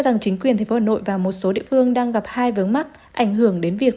rằng chính quyền thành phố hà nội và một số địa phương đang gặp hai vướng mắt ảnh hưởng đến việc